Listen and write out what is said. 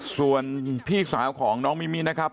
ส่วนพี่สาวของน้องมิมินะครับ